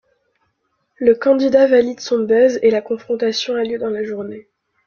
Le candidat valide son buzz et la confrontation a lieu dans la journée.